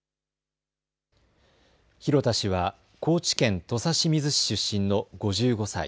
広田氏は高知県土佐清水市出身の５５歳。